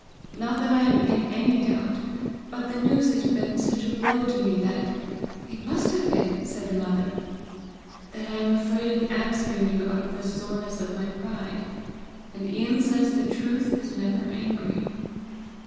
Not that I am in any doubt but the news has been such a blow to me that " "It must have been!" said the mother. " that I am afraid of answering you out of the soreness of my pride, and Ian says the Truth is never angry."